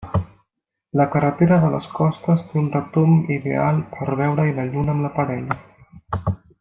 La carretera de les Costes té un retomb ideal per veure-hi la lluna amb la parella.